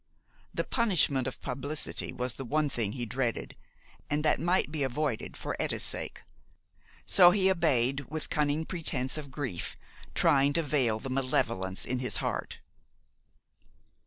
The punishment of publicity was the one thing he dreaded, and that might be avoided for Etta's sake. So he obeyed, with cunning pretense of grief, trying to veil the malevolence in his heart.